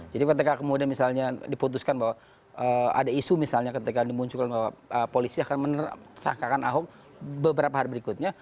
jadi ketika kemudian misalnya diputuskan bahwa ada isu misalnya ketika dimunculkan bahwa polisi akan menerangkan ahok beberapa hari berikutnya